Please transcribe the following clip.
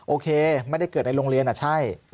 โอเคไม่ได้เกิดในโรงเรียนใช่